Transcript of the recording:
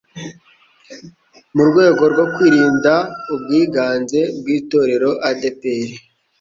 mu rwego rwo kwirinda ubwiganze bw itorero adeper